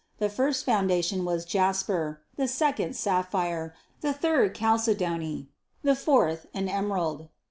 The first foundation was jasper; the second, sapphire; the third, chalcedony; the fourth, an emerald; 20.